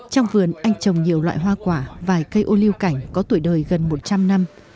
trong vườn anh trồng nhiều loại hoa quả vài cây ô liu cảnh có tuổi đời gần một trăm linh năm